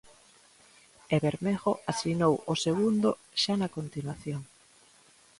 E Bermejo asinou o segundo xa na continuación.